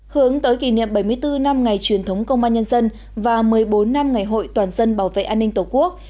hướng tới kỷ niệm bảy mươi bốn năm ngày truyền thống công an nhân dân và một mươi bốn năm ngày hội toàn dân bảo vệ an ninh tổ quốc